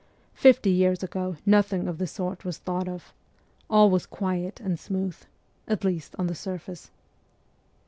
Fifty years ago nothing of the sort was thought of ; all was quiet and smooth at least on the surface.